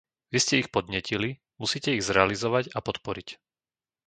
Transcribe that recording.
Vy ste ich podnietili; musíte ich zrealizovať a podporiť.